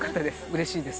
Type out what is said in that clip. うれしいです。